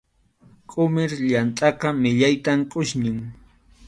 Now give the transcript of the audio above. Qʼumir yamtʼaqa millaytam qʼusñin.